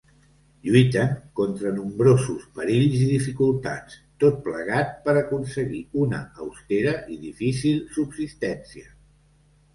Lluiten contra nombrosos perills i dificultats, tot plegat per aconseguir una austera i difícil subsistència.